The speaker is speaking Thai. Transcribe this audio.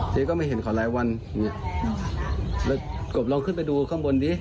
เจ๊ก็ไม่เห็นเขาหลายวันเนี่ยแล้วกบลองขึ้นไปดูข้างบนดิ